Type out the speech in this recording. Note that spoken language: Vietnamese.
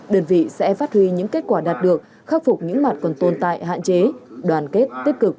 đơn vị sẽ phát huy những kết quả đạt được khắc phục những mặt còn tồn tại hạn chế đoàn kết tích cực